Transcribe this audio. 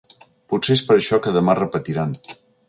Potser és per això que demà repetiran.